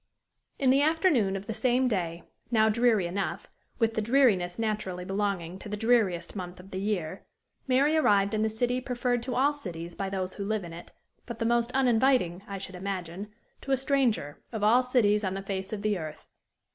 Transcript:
In the afternoon of the same day, now dreary enough, with the dreariness naturally belonging to the dreariest month of the year, Mary arrived in the city preferred to all cities by those who live in it, but the most uninviting, I should imagine, to a stranger, of all cities on the face of the earth.